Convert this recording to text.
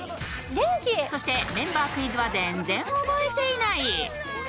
そしてメンバークイズは全然覚えていない。